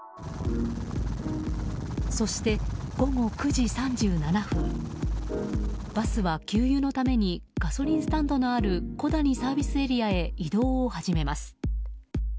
そして、午後９時３７分バスは給油のためにガソリンスタンドのある小谷ＳＡへ移動を始めます。